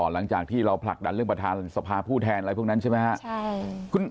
หลังจากที่เราผลักดันเรื่องประธานสภาผู้แทนอะไรพวกนั้นใช่ไหมครับ